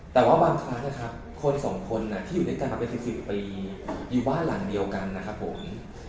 แต่ว่าบางครั้งนะครับคนสองคนที่อยู่ด้วยกันมาเป็น๑๔ปีอยู่บ้านหลังเดียวกันนะครับผม